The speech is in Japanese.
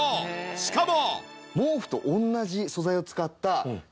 しかも。